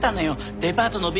デパートのＢ館